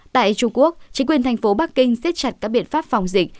tại trung quốc chính quyền thành phố bắc kinh xết chặt các biện pháp phòng dịch